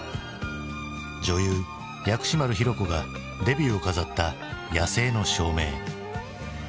女優薬師丸ひろ子がデビューを飾った「野性の証明」。